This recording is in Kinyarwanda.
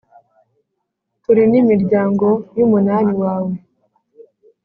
turi n’imiryango y’umunani wawe.